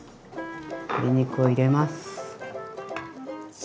鶏肉を入れます。